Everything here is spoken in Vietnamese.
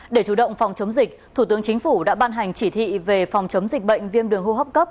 để chủ động phòng chống dịch thủ tướng chính phủ đã ban hành chỉ thị về phòng chống dịch bệnh viêm đường hô hấp cấp